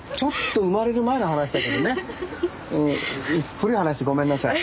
古い話でごめんなさい。